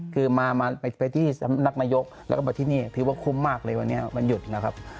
คือมาไปที่สำนักนายกแล้วก็มาที่นี่ถือว่าคุ้มมากเลยวันนี้วันหยุดนะครับ